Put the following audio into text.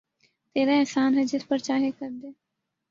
تیرا احسان ہے جس پر چاہے کردے